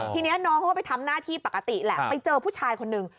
ทีนี้น้องเขาก็ไปทำหน้าที่ปกติแหละไปเจอผู้ชายคนหนึ่ง